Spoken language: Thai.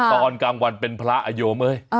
ตอนกลางวันเป็นพระอโยมเอ้ย